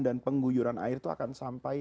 dan penggoyuran air itu akan sampai